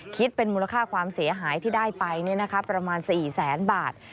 คิดเป็นมูลค่าความเสียหายที่ได้ไปประมาณ๔แสนบาท